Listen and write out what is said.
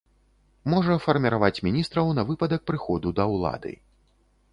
Можа фарміраваць міністраў на выпадак прыходу да ўлады.